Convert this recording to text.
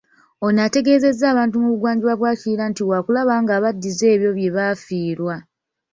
Ono ategeezezza abantu mu bugwanjuba bwa Kiyiira nti waakulaba ng'abaddiza ebyo bye bafiiriddwa.